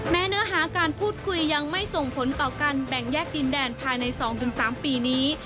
เนื้อหาการพูดคุยยังไม่ส่งผลต่อการแบ่งแยกดินแดนภายใน๒๓ปีนี้